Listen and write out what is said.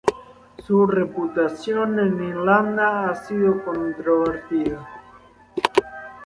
Su reputación en Irlanda ha sido controvertida.